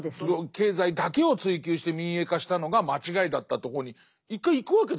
経済だけを追求して民営化したのが間違いだったとこに一回行くわけですよね。